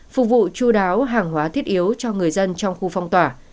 phục vụ chú đáo hàng hóa thiết yếu cho người dân trong khu phong tỏa